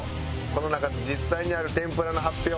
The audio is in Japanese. この中で実際にある天ぷらの発表